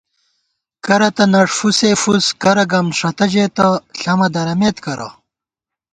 کرہ تہ نݭ فُسے فُس کرہ گمݭتہ ژېتہ ݪَمہ درَمېت کرہ